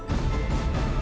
aku akan buktikan